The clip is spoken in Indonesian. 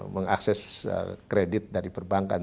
mengakses kredit dari perbankan